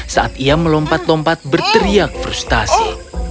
saat ia melompat lompat berteriak frustasi